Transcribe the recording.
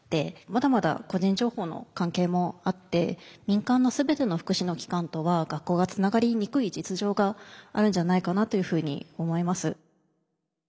まだまだ個人情報の関係もあって民間の全ての福祉の機関とは学校がつながりにくい実情があるんじゃないかなというふうに思います。